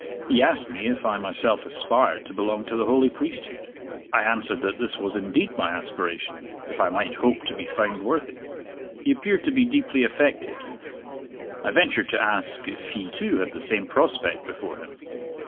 He asked me if I myself aspired to belong to the holy priesthood. I answered that this was indeed my aspiration, if I might hope to be found worthy. He appeared to be deeply affected. I ventured to ask if he too had the same prospect before him.